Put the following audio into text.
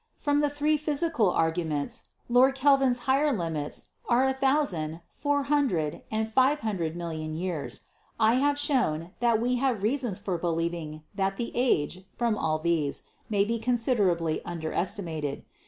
From the three physical arguments, Lord Kelvin's higher limits are 1,000, 400 and 500 million years. I have shown that we have reasons for believing that the age, from all these, may be very considerably un derestimated.